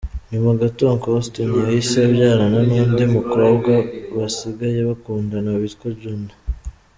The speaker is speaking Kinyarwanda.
Nyuma gato Uncle Austin yahise abyarana n’undi mukobwa basigaye bakundana witwa Joannah.